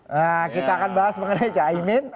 nah kita akan bahas mengenai caimin